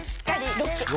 ロック！